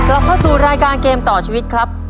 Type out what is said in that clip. เราเข้าสู่รายการเกมต่อชีวิตครับ